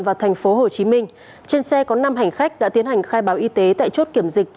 và thành phố hồ chí minh trên xe có năm hành khách đã tiến hành khai báo y tế tại chốt kiểm dịch